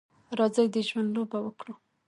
راځئ د ژوند لوبه وکړو.